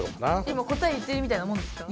今答え言ってるみたいなもんですか？